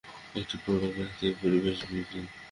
একটি প্রৌঢ় ব্যক্তির প্রবেশ বিপিন।